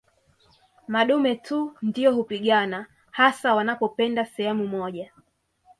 Madume tu ndio hupigana hasa wanapopenda sehemu moja